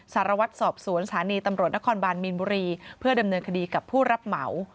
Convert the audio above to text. สารวัตรสอบสวนสถานีตำรวจนครบานมีนบุรีเพื่อดำเนินคดีกับผู้รับเหมา